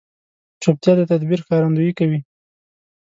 چوپتیا، د تدبیر ښکارندویي کوي.